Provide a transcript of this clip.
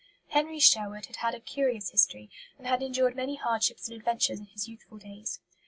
Henry Sherwood had had a curious history, and had endured many hardships and adventures in his youthful days.